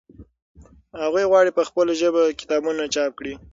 هغوی غواړي چې په خپله ژبه کتابونه چاپ کړي.